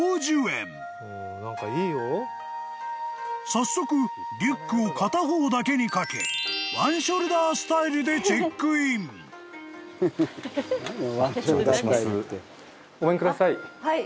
［早速リュックを片方だけにかけワンショルダースタイルでチェックイン］ごめんください。